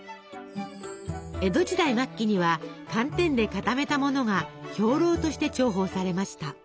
江戸時代末期には寒天で固めたものが兵糧として重宝されました。